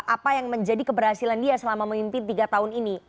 apa yang menjadi keberhasilan dia selama memimpin tiga tahun ini